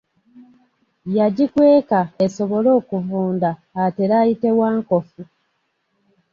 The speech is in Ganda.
Yagikweka esobole okuvunda atere ayite wankofu.